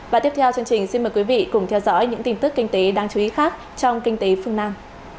và tiếp theo chương trình xin mời quý vị cùng theo dõi những tin tức kinh tế đáng chú ý khác trong kinh tế phương nam